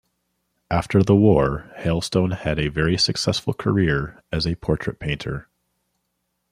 After the war Hailstone had a very successful career as a portrait painter.